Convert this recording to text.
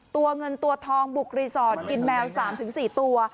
ตัวเงินตัวทองบุกรีสอร์ทกินแมว๓๔ตัว